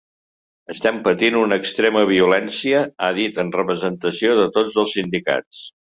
Estem patint una extrema violència, ha dit, en representació de tots els sindicats.